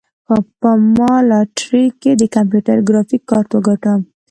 ما په لاټرۍ کې د کمپیوټر ګرافیک کارت وګاټه.